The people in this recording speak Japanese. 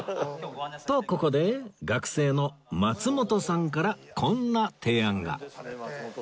とここで学生の松本さんからこんな提案が